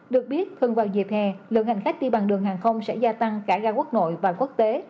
được biết hơn vào dịp hè lượng hành khách đi bằng đường hàng không sẽ gia tăng cả ra quốc nội và quốc tế